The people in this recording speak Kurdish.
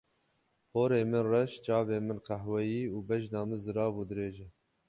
Porê min reş, çavên min qehweyî û bejna min zirav û dirêj e.